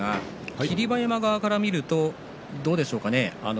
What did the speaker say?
霧馬山側から見るとどうでしょうか。